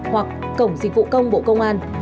hoặc cổng dịch vụ công bộ công an